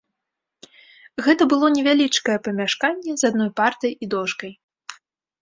Гэта было невялічкае памяшканне з адной партай і дошкай.